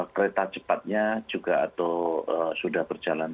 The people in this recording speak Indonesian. kereta cepatnya juga atau sudah berjalan